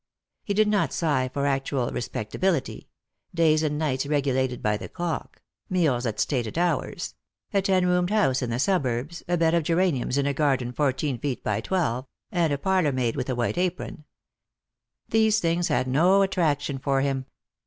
He did not sigh for actual respectability —days and nights regulated by the clock ; meals at stated hours ; a ten roomed house in the suburbs ; a bed of geraniums in a garden fourteen feet by twelve ; and a parlour maid with a white apron. These things had no attrac tion for him.